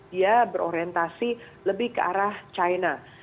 dia berorientasi lebih ke arah china